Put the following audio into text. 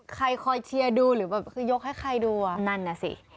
คอยเชียร์ดูหรือแบบคือยกให้ใครดูอ่ะนั่นน่ะสิ